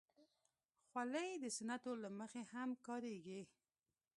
خولۍ د سنتو له مخې هم کارېږي.